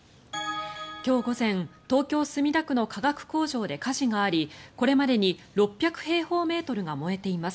今日午前、東京・墨田区の化学工場で火事がありこれまでに６００平方メートルが燃えています。